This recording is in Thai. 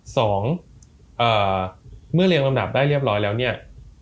สองเมื่อเรียงลำดับได้เรียบร้อยแล้วเนี่ย